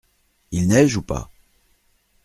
Il neige où pas ?